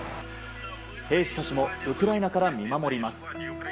兵士たちウクライナから見守ります。